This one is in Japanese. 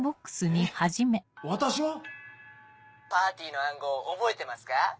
えっ私が⁉パーティーの暗号覚えてますか？